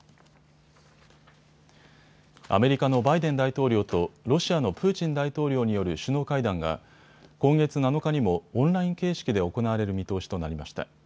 アメリカのバイデン大統領とロシアのプーチン大統領による首脳会談が今月７日にもオンライン形式で行われる見通しとなりました。